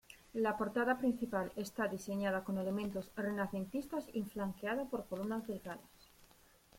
La portada principal está diseñada con elementos renacentistas y flanqueada por columnas delgadas.